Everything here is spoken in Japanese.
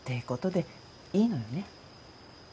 ことでいいのよね？